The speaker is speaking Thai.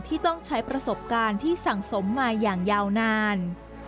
ที่ต้องใช้ประสบการณ์ที่สังสมมาอย่างยาวนาน